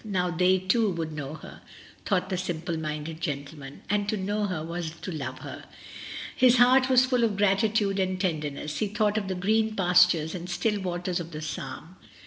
Now they, too, would know her, thought the simple minded gentleman, and to know her was to love her. His heart was full of gratitude and tender ness, he thought of the green pastures and still waters of the psalm.